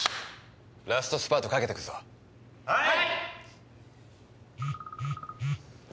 ラストスパートかけてくぞはい！